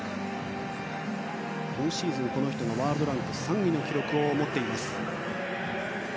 今シーズン、ワールドランク３位の記録を持っています。